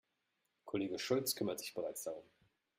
Kollege Schulz kümmert sich bereits darum.